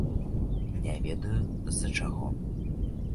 Не ведаю, з-за чаго.